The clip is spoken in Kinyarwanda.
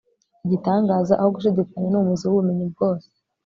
igitangaza aho gushidikanya ni umuzi w'ubumenyi bwose